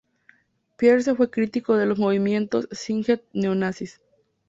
Pierce fue crítico de los movimientos skinhead neo-nazis.